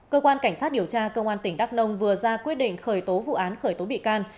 cơ quan cảnh sát điều tra công an tỉnh đắk nông vừa ra quyết định khởi tố vụ án khởi tố bị can